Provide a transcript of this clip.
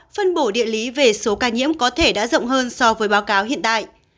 phân bổ địa lý về số ca nhiễm có thể đã rộng hơn so với báo cáo hiện tại